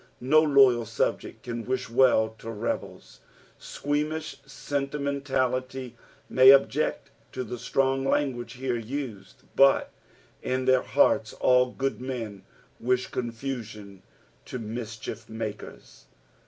No loyal subject can wish well to rebels. Squeamish sentimentality may abject to the strong language here used, but in their hearts all good men wish confusion to mischiermakers.